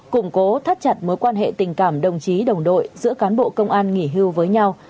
củng cố thắt chặt mối quan hệ tình cảm đồng chí đồng đội giữa cán bộ công an nghỉ hưu với nhau